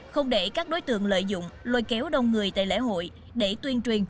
không để các đối tượng lợi dụng lôi kéo đông người tại lễ hội để tuyên truyền